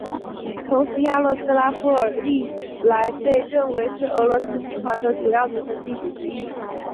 同时雅罗斯拉夫尔历来被认为是俄罗斯金环的主要组成地区之一。